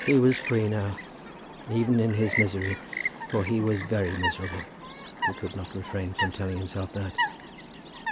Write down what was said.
He was free now. Even in his misery, for he was very miserable, he could not refrain from telling himself that.